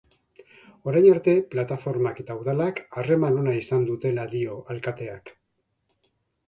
Orain arte plataformak eta udalak harreman ona izan dutela dio alkateak.